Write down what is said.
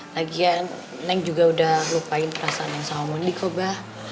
lagi ya neng juga udah lupain perasaan neng sama mondi kok ba